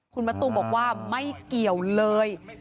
คุณมะตูมบอกว่าไม่เกี่ยวเลย